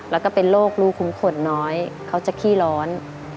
แล้วก็เป็นโรครูคุ้มขนน้อยเขาจะขี้ร้อน